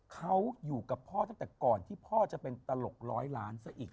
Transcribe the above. เขาอยู่กับพ่อตั้งแต่ก่อนที่พ่อจะเป็นตลกร้อยล้านซะอีก